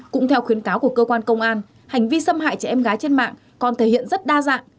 cũng theo khuyến cáo của cơ quan công an hành vi xâm hại trẻ em gái trên mạng còn thể hiện rất đa dạng